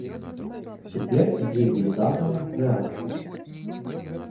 Цяпер ідзе велізарная рэакцыя.